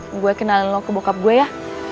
aku kenalin lo ke bokap aku ya